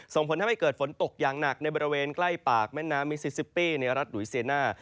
ส่งผลทำให้เกิดฝนตกอย่างหนักในบริเวณใกล้ปากแม่น้ำมิซิซิปปี้ในรัฐหลุยเซียน่า